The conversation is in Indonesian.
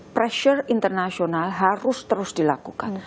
pressure internasional harus terus dilakukan